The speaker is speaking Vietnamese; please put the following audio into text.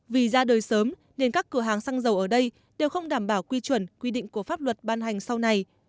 vì ra đời sớm nên các cửa hàng xăng dầu ở đây đều không đảm bảo quy chuẩn quy định của pháp luật ban hành sau này